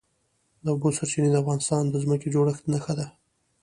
د اوبو سرچینې د افغانستان د ځمکې د جوړښت نښه ده.